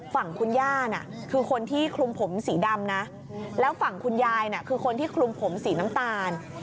ฝั่งคุณย่าน่ะคือคนที่คลุมผมสีดำนะแล้วฝั่งคุณยายน่ะคือคนที่คลุมผมสีน้ำตาล